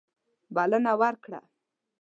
بلنه ورکړه.